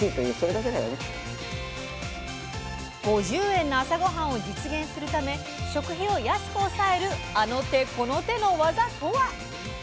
５０円の朝ごはんを実現するため食費を安く抑えるあの手この手のワザとは？